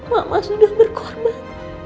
mama sudah berkorban